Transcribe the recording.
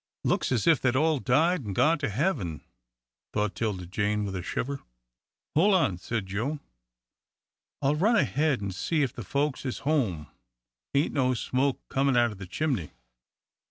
"Looks as if they'd all died an' gone to heaven," thought 'Tilda Jane, with a shiver. "Hole on," said Joe. "I'll run ahead an' see if the folks is home. Ain't no smoke cornin' out o' the chimney."